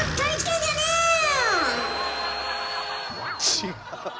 違う。